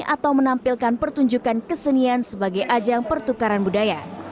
atau menampilkan pertunjukan kesenian sebagai ajang pertukaran budaya